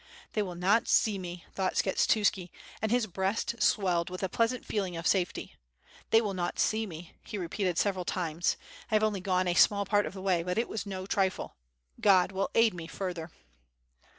"They will not see me," thought Skshetuski, and his breast swelled with a pleasant feeling of safety. "Thoy will not see me," he repeated several times. "I have only gone a small part of the way, but it was no trifle. God will aid. me further."